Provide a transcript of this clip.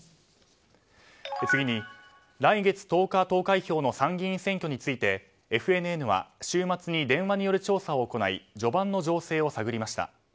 次に、来月１０日投開票の参議院選挙についてＦＮＮは週末に電話による調査を行い序盤の情勢を探りました。